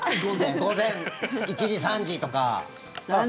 午前１時、３時とか。